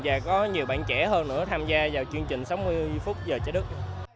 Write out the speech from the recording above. và có nhiều bạn trẻ hơn nữa tham gia vào chương trình sáu mươi phút giờ trái đất